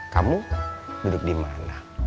kamu duduk di mana